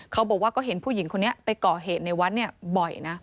เขาบอกว่าก็เห็นผู้หญิงคนนี้ไปก่อเหตุในวัดเนี่ยบ่อยนะ